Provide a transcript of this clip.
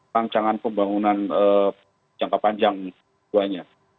rancangan pembangunan jangka panjang dua nya